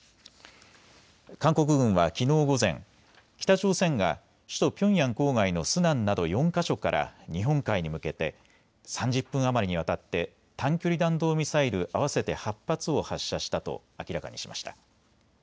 韓国軍はきのう午前、北朝鮮が首都ピョンヤン郊外のスナンなど４か所から日本海に向けて３０分余りにわたって短距離弾道ミサイル合わせて８発を発射したと明らかにしました。